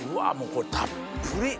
これたっぷり。